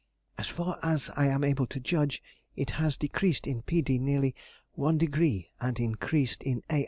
As far as I am able to judge, it has decreased in P. D. nearly 1°, and increased in A.